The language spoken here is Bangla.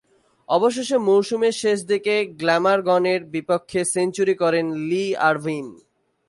অবশেষে মৌসুমের শেষ দিকে গ্ল্যামারগনের বিপক্ষে সেঞ্চুরি করেন লি আরভিন।